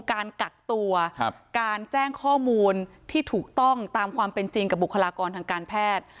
การกักตัวการแจ้งข้อมูลที่ถูกต้องตามความเป็นจริงกับบุคลากรทางการแพทย์